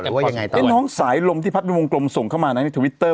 หรือว่ายังไงเนี่ยน้องสายลมที่พัชวิมงกลมส่งเข้ามานั้นทวิตเตอร์